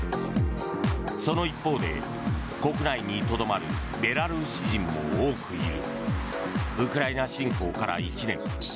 その一方で、国内にとどまるベラルーシ人も多くいる。